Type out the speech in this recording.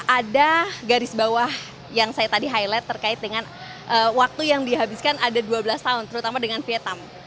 ada garis bawah yang saya tadi highlight terkait dengan waktu yang dihabiskan ada dua belas tahun terutama dengan vietnam